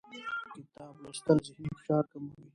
کتاب لوستل ذهني فشار کموي